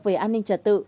về an ninh trật tự